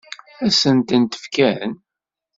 Ad sent-tent-fken?